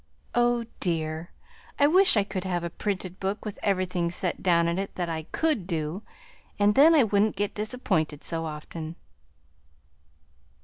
Oh dear! I wish I could have a printed book with everything set down in it that I COULD do, and then I wouldn't get disappointed so often."